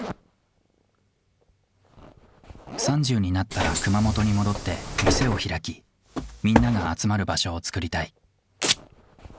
３０になったら熊本に戻って店を開きみんなが集まる場所をつくりたい。